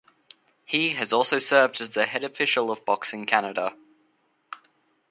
He has also served as the Head Official of Boxing Canada.